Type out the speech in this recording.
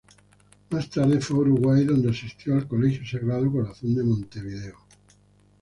Más tarde fue a Uruguay, donde asistió al Colegio Sagrado Corazón, de Montevideo.